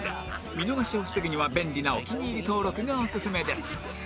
見逃しを防ぐには便利なお気に入り登録がオススメです